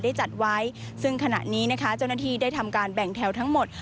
ได้จัดไว้ซึ่งขณะนี้นะคะเจ้าหน้าที่ได้ทำการแบ่งแถวทั้งหมด